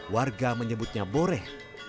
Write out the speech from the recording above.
warga menyebutnya boreh